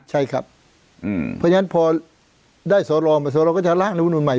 ใช่ครับเพราะฉะนั้นพอได้สอรองมาสอรก็จะร่างรัฐมนุนใหม่